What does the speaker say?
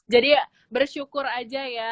jadi bersyukur aja ya